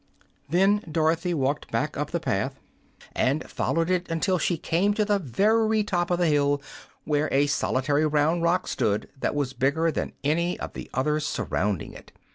Then Dorothy walked back up the path, and followed it until she came to the very top of the hill, where a solitary round rock stood that was bigger than any of the others surrounding it.